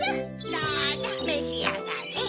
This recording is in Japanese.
どうぞめしあがれ。